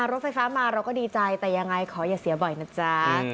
รถไฟฟ้ามาเราก็ดีใจแต่ยังไงขออย่าเสียบ่อยนะจ๊ะ